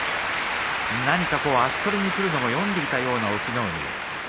何か足取りにくるのを読んでいたような隠岐の海。